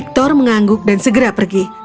victor mengangguk dan segera pergi